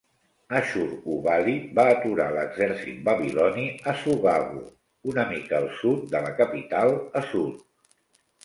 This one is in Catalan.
Ashur-uballit va aturar l'exercit babiloni a Sugagu, una mica al sud de la capital Assur.